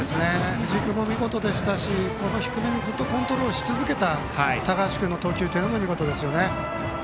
藤井君も見事でしたし低めにずっとコントロールし続けた高橋君の投球も見事です。